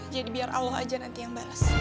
jadi biar allah aja nanti yang bales